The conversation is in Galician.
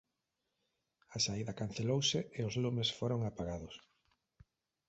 A saída cancelouse e os lumes foron apagados.